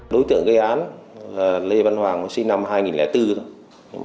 đối tượng gây án là lê văn hoàng sinh năm hai nghìn năm